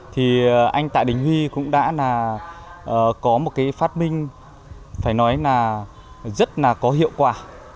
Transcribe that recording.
thì anh tạ đình huy cũng đã là có một cái phát minh phải nói là rất là có hiệu quả